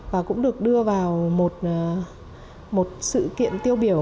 và cũng được đưa vào một sự kiện tiêu biểu